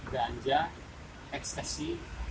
dan juga ekstasi